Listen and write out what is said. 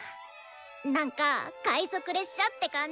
なんか快速列車って感じ！